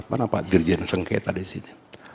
mana pak dirjen sengketa disini